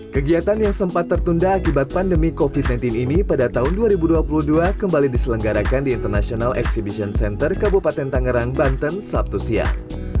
kegiatan yang sempat tertunda akibat pandemi covid sembilan belas ini pada tahun dua ribu dua puluh dua kembali diselenggarakan di international exhibition center kabupaten tangerang banten sabtu siang